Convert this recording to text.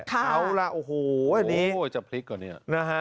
เอาล่ะโอ้โหจะพลิกกว่านี้